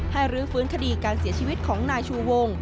รื้อฟื้นคดีการเสียชีวิตของนายชูวง